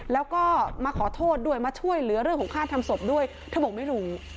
แล้วก็มาขอโทษด้วยมาช่วยเหลือเรื่องของค่าทำศพด้วยเธอบอกไม่รู้